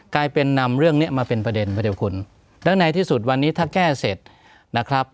กลายเป็นนำเรื่องนี้มาเป็นประเด็นประเทศคุณแล้วในที่สุดวันนี้ถ้าแก้เสร็จนะครับ